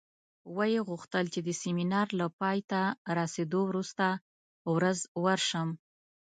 ویې غوښتل چې د سیمینار له پای ته رسېدو وروسته ورځ ورشم.